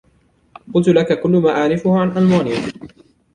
قلت لك كل ما أعرفه عن ألمانيا.